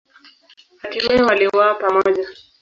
Hatimaye waliuawa pamoja.